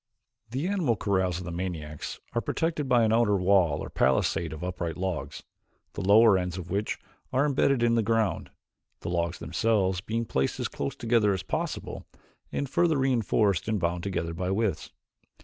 The animal corrals of the maniacs are protected by an outer wall or palisade of upright logs, the lower ends of which are imbedded in the ground, the logs themselves being placed as close together as possible and further reinforced and bound together by withes.